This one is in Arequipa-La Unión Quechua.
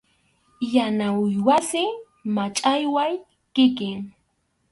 Yana uywasi, machʼaqway kikin.